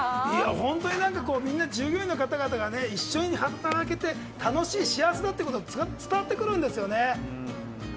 本当に従業員の方々が一緒に働けて、楽しい幸せだということが伝わってくるんです。